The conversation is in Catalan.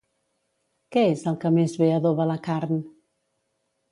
Què és el que més bé adoba la carn?